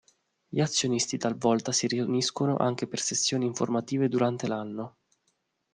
Gli azionisti talvolta si riuniscono anche per sessioni informative durante l'anno.